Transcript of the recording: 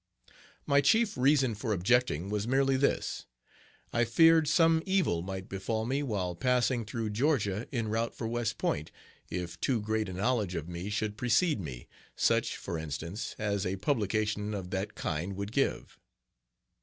My chief reason for objecting was merely this: I feared some evil might befall me while passing through Georgia en route for West Point, if too great a knowledge of me should precede me, such, for instance, as a publication of that kind would give.